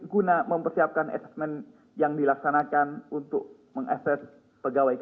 guna mempersiapkan asesmen yang dilaksanakan untuk mengakses pegawai kpk